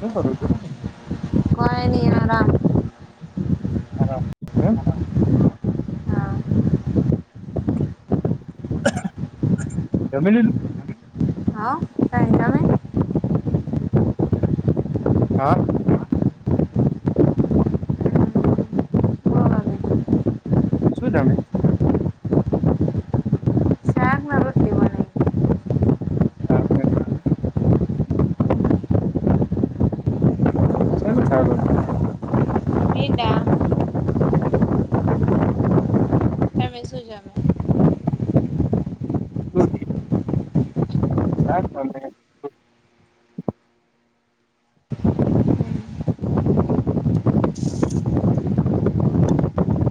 [inaudible] કંઈ ની આરામ. આરામ એમ? હા જમી લીધું? હા અને તમે? હા. બોલો બીજું શું જમ્યુ? શાક ને રોટલી બનાઈ શાકને શેનું શાક હતું? હમ બેટા તમે શું જમ્યુ? દૂધી શાક અને [inaudible]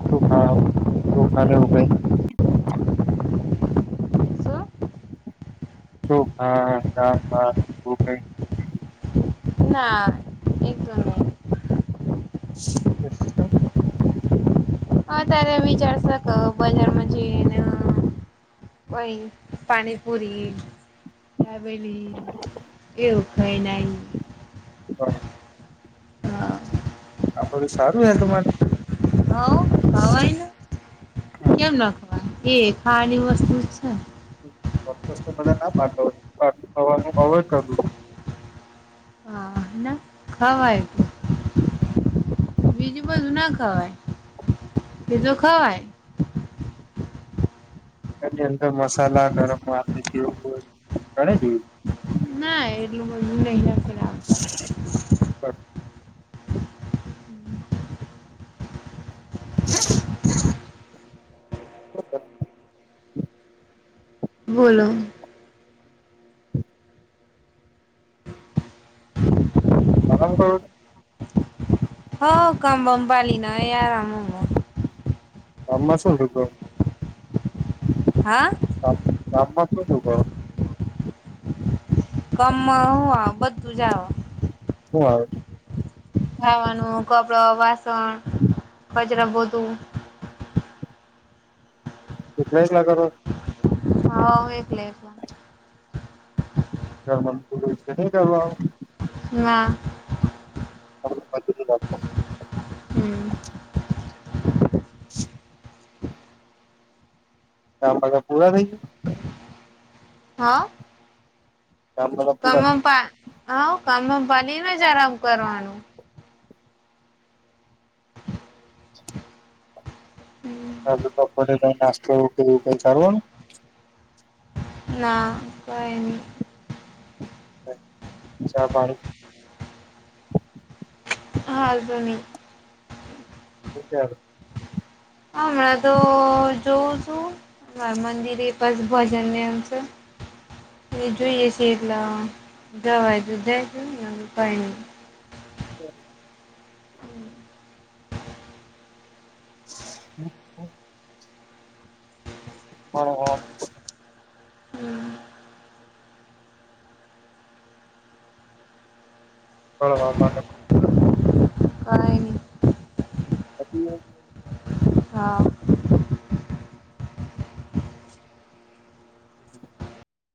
ચોખા ચોખાને એવું કંઈ શું ચોખા, દાળ-ભાત એવું કંઈ? ના. એ તો નહીં. કેમ? હા ત્યારે વિચાર શકો બજારમાંથી કોઈ પાનીપુરી, દાબેલી એવું. ખઈન આઈ. હા આ બધું સારું હે યા તમારે? હવ ખવાય ને કેમ ના ખવાય એ ખાવાની વસ્તુ જ છે. ચોક્કસ તો બધાં ના પાડતો પન ખાવાનું અવોઈડ કરવું જોઈએ. હા ના ખવાય. બીજું બધુ ના ખવાય એ તો ખવાય. એની અંદર મસાલા ગરમ [unintelligible] ના, એટલું બધું નહીં હશે બર [inaudible] [inaudible] બોલો. આરામ કરો છો? હ કામ બમ પાલી ના આરામ ગામમાં શું હતું તો. હા. ગામ ગામ માં શું શું કરો. ગમ બધું જ આવે. શું આવે. ખાવાનું કપડો વાસણ કચરો પોતુ એકલા એકલા કરો. હા એકલે એકલે. ઘરમાં કોઈ છે કે કરવા વાળો. ના. [inaudible] હમ્મ. [inaudible] તધા પૂરા થઈ ગયા. હા. કામ બધા કમમ પૂરા પા હા કમ પાલીને જરામ કરવાનું. [unintelligible] થોડું કેવું કઈ [unintelligible] ના કોઈ ની. [unintelligible] ચા પાણી [unintelligible] [unintelligible] હ હમણાં તો જોઉં છું માં મંદિરે બસ ભજનને આમ છે. એ જોઈએ છે એટલા જવાય તો જ [unintelligible] [unintelligible] [inaudible] હા હા. હમ્મ. બરોબર. કઈ નહિ. પતિ એ હા